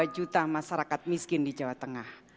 dua dua juta masyarakat miskin di jawa tengah